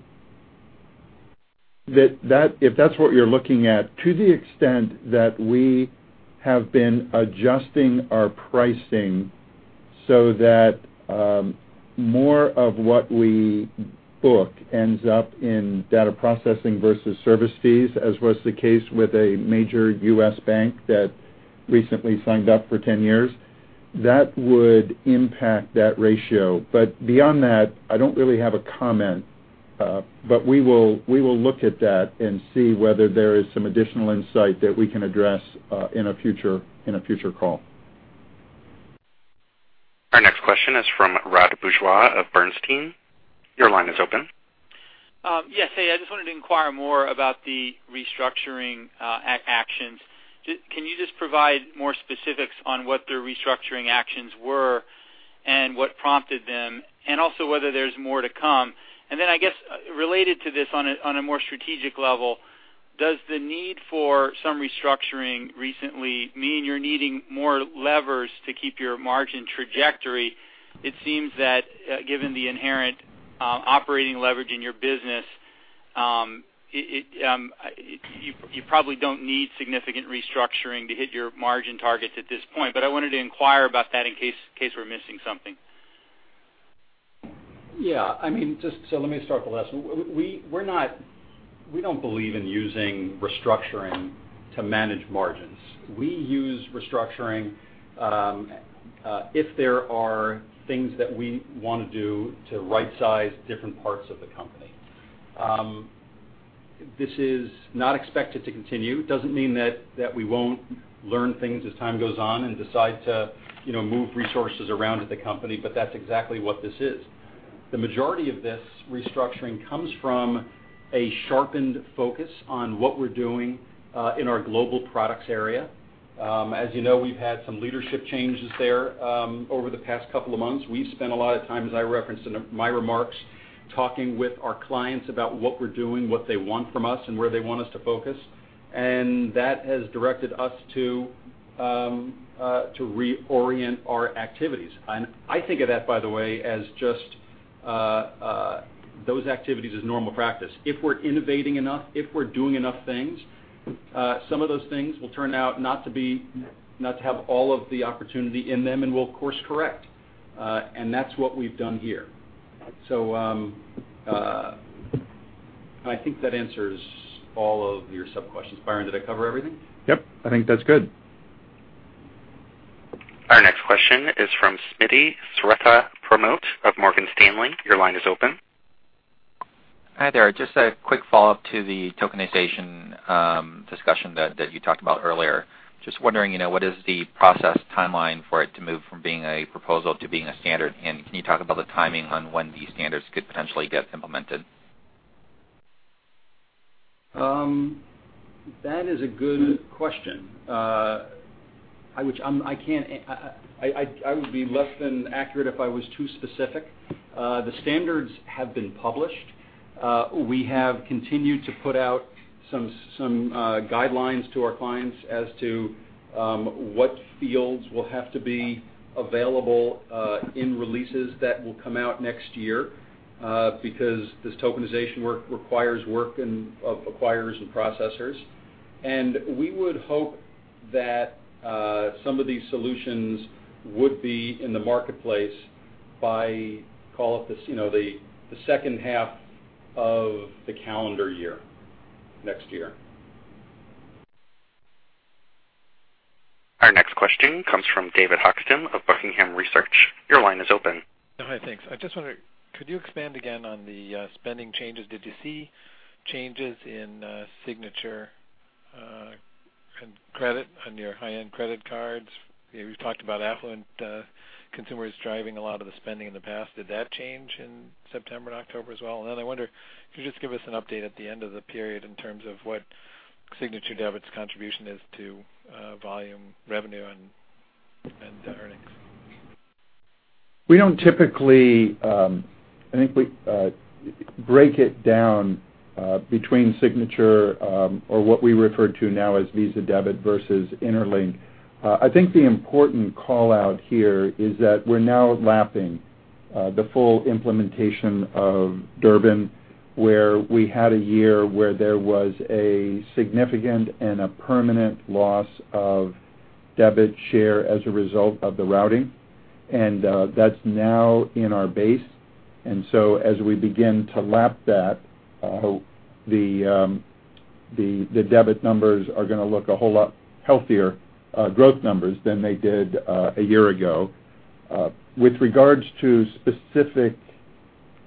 If that's what you're looking at, to the extent that we have been adjusting our pricing so that more of what we book ends up in data processing versus service fees, as was the case with a major U.S. bank that recently signed up for 10 years, that would impact that ratio. Beyond that, I don't really have a comment. We will look at that and see whether there is some additional insight that we can address in a future call. Our next question is from Rod Bourgeois of Bernstein. Your line is open. Yes. Hey, I just wanted to inquire more about the restructuring actions. Can you just provide more specifics on what the restructuring actions were and what prompted them, and also whether there's more to come? I guess related to this on a more strategic level, does the need for some restructuring recently mean you're needing more levers to keep your margin trajectory? It seems that given the inherent operating leverage in your business you probably don't need significant restructuring to hit your margin targets at this point, but I wanted to inquire about that in case we're missing something. Yeah. Let me start the last one. We don't believe in using restructuring to manage margins. We use restructuring if there are things that we want to do to right-size different parts of the company. This is not expected to continue. It doesn't mean that we won't learn things as time goes on and decide to move resources around at the company, but that's exactly what this is. The majority of this restructuring comes from a sharpened focus on what we're doing in our global products area. As you know, we've had some leadership changes there over the past couple of months. We've spent a lot of time, as I referenced in my remarks, talking with our clients about what we're doing, what they want from us, and where they want us to focus. That has directed us to reorient our activities. I think of that, by the way, as just those activities as normal practice. If we're innovating enough, if we're doing enough things some of those things will turn out not to have all of the opportunity in them, and we'll course correct. That's what we've done here. I think that answers all of your sub-questions. Byron, did I cover everything? Yep. I think that's good. Our next question is from Smitti Srethapramote of Morgan Stanley. Your line is open. Hi there. Just a quick follow-up to the tokenization discussion that you talked about earlier. Just wondering, what is the process timeline for it to move from being a proposal to being a standard? Can you talk about the timing on when these standards could potentially get implemented? That is a good question. I would be less than accurate if I was too specific. The standards have been published. We have continued to put out some guidelines to our clients as to what fields will have to be available in releases that will come out next year because this tokenization work requires work of acquirers and processors. We would hope that some of these solutions would be in the marketplace by, call it, the second half of the calendar year next year. Our next question comes from David Hochstim of The Buckingham Research Group. Your line is open. Hi. Thanks. I just wonder, could you expand again on the spending changes? Did you see changes in signature and credit on your high-end credit cards? You've talked about affluent consumers driving a lot of the spending in the past. Did that change in September and October as well? I wonder if you could just give us an update at the end of the period in terms of what signature debit's contribution is to volume revenue and earnings. We don't typically break it down between signature or what we refer to now as Visa Debit versus Interlink. I think the important call-out here is that we're now lapping the full implementation of Durbin, where we had a year where there was a significant and a permanent loss of debit share as a result of the routing. That's now in our base. As we begin to lap that, the debit numbers are going to look a whole lot healthier growth numbers than they did a year ago. With regards to specific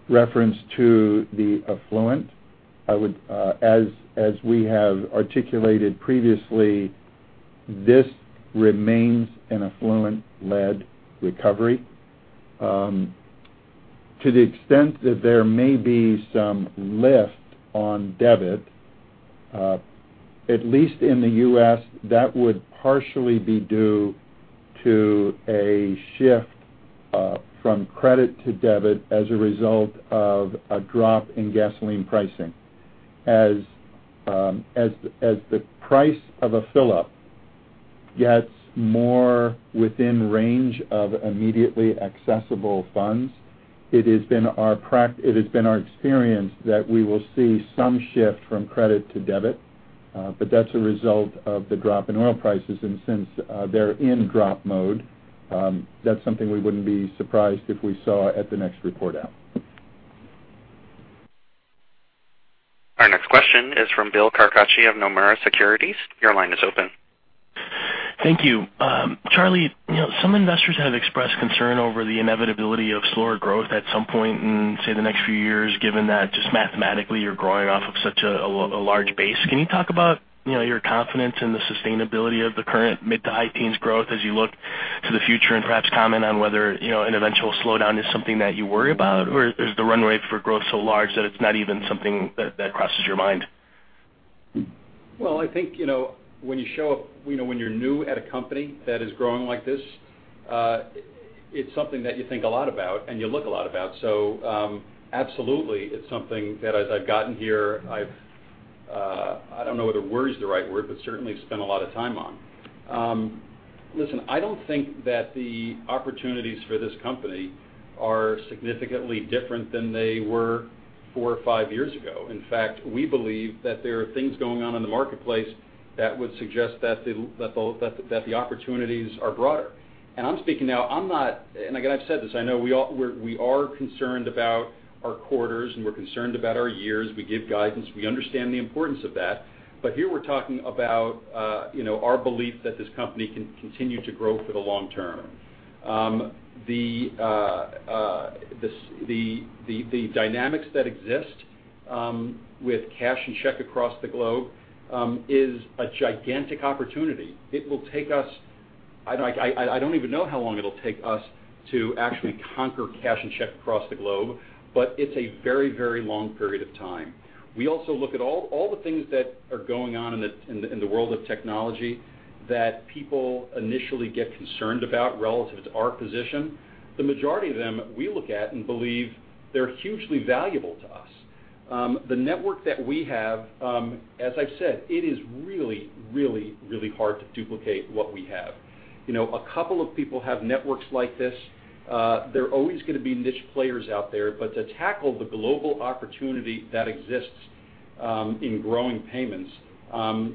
reference to the affluent, as we have articulated previously, this remains an affluent-led recovery. To the extent that there may be some lift on debit, at least in the U.S., that would partially be due to a shift from credit to debit as a result of a drop in gasoline pricing. As the price of a fill-up gets more within range of immediately accessible funds, it has been our experience that we will see some shift from credit to debit, that's a result of the drop in oil prices. Since they're in drop mode, that's something we wouldn't be surprised if we saw at the next report-out. Our next question is from Bill Carcache of Nomura Securities. Your line is open. Thank you. Charlie, some investors have expressed concern over the inevitability of slower growth at some point in, say, the next few years, given that just mathematically, you're growing off of such a large base. Can you talk about your confidence in the sustainability of the current mid to high teens growth as you look to the future and perhaps comment on whether an eventual slowdown is something that you worry about? Is the runway for growth so large that it's not even something that crosses your mind? I think when you're new at a company that is growing like this, it's something that you think a lot about and you look a lot about. Absolutely, it's something that as I've gotten here, I don't know whether worry's the right word, but certainly spent a lot of time on. Listen, I don't think that the opportunities for this company are significantly different than they were four or five years ago. In fact, we believe that there are things going on in the marketplace that would suggest that the opportunities are broader. I'm speaking now. I've said this, I know we are concerned about our quarters, and we're concerned about our years. We give guidance. We understand the importance of that. Here we're talking about our belief that this company can continue to grow for the long term. The dynamics that exist with cash and check across the globe is a gigantic opportunity. I don't even know how long it'll take us to actually conquer cash and check across the globe, but it's a very long period of time. We also look at all the things that are going on in the world of technology that people initially get concerned about relative to our position. The majority of them we look at and believe they're hugely valuable to us. The network that we have, as I've said, it is really hard to duplicate what we have. A couple of people have networks like this. There are always going to be niche players out there, to tackle the global opportunity that exists in growing payments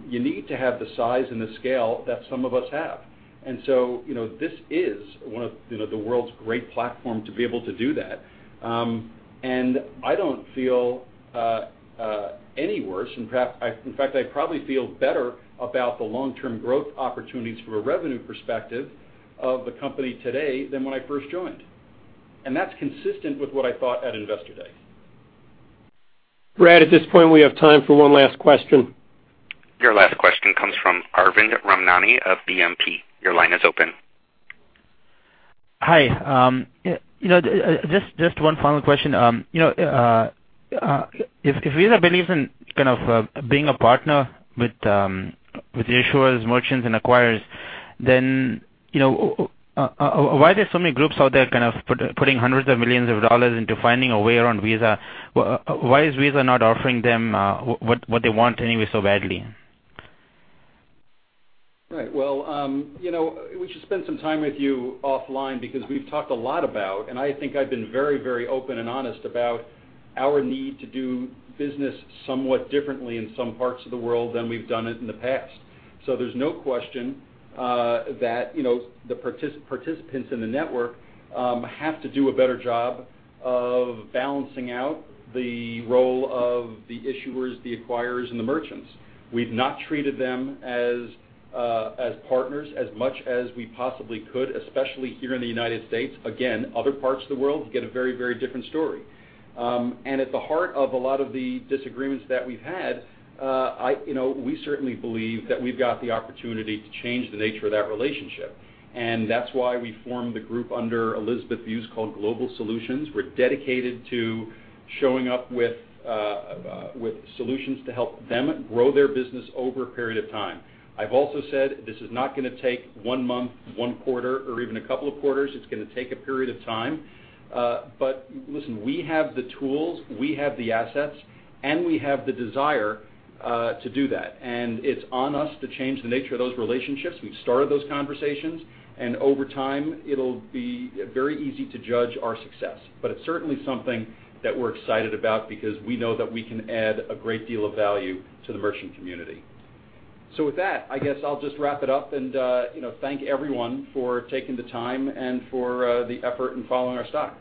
you need to have the size and the scale that some of us have. This is one of the world's great platform to be able to do that. I don't feel any worse, in fact, I probably feel better about the long-term growth opportunities from a revenue perspective of the company today than when I first joined. That's consistent with what I thought at Investor Day. Brad, at this point, we have time for one last question. Your last question comes from Arvind Ramnani of BNP. Your line is open. Hi. Just one final question. If Visa believes in being a partner with issuers, merchants, and acquirers, why are there so many groups out there putting $ hundreds of millions into finding a way around Visa? Why is Visa not offering them what they want anyway so badly? Right. Well, we should spend some time with you offline because we've talked a lot about, and I think I've been very open and honest about our need to do business somewhat differently in some parts of the world than we've done it in the past. There's no question that the participants in the network have to do a better job of balancing out the role of the issuers, the acquirers, and the merchants. We've not treated them as partners as much as we possibly could, especially here in the United States. Again, other parts of the world, you get a very different story. At the heart of a lot of the disagreements that we've had, we certainly believe that we've got the opportunity to change the nature of that relationship, and that's why we formed the group under Elizabeth Buse called Global Solutions. We're dedicated to showing up with solutions to help them grow their business over a period of time. I've also said this is not going to take one month, one quarter, or even a couple of quarters. It's going to take a period of time. Listen, we have the tools, we have the assets, and we have the desire to do that. It's on us to change the nature of those relationships. We've started those conversations, and over time, it'll be very easy to judge our success. It's certainly something that we're excited about because we know that we can add a great deal of value to the merchant community. With that, I guess I'll just wrap it up and thank everyone for taking the time and for the effort in following our stock.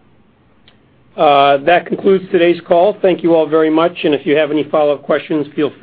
That concludes today's call. Thank you all very much. If you have any follow-up questions, feel free to-